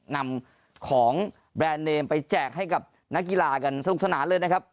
นำของแบรนด์เนมไปแจกให้กับนักกีฬากันสนุกสนานเลยนะครับ